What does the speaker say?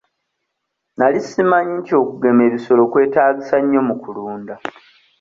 Nali simanyi nti okugema ebisolo kwetaagisa nnyo mu kulunda.